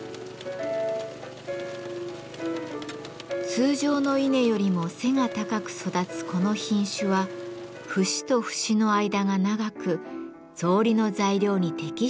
通常の稲よりも背が高く育つこの品種は節と節の間が長く草履の材料に適しているのだとか。